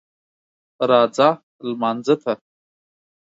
راځه لمانځه ته